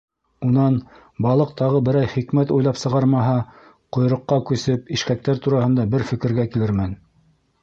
Унан, балыҡ тағы берәй хикмәт уйлап сығармаһа, ҡойроҡҡа күсеп, ишкәктәр тураһында бер фекергә килермен.